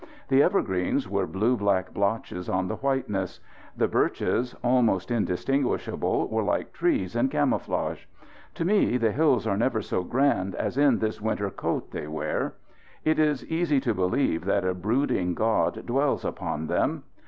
The evergreens were blue black blotches on this whiteness. The birches, almost indistinguishable, were like trees in camouflage. To me the hills are never so grand as in this winter coat they wear. It is easy to believe that a brooding God dwells upon them.